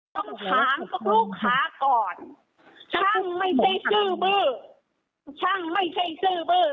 ต้องถามต้องลูกค้าก่อนช่างไม่ใช่ชื่อบื้อ